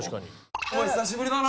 お前久しぶりだな。